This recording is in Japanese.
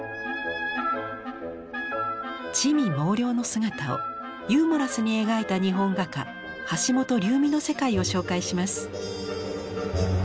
魑魅魍魎の姿をユーモラスに描いた日本画家橋本龍美の世界を紹介します。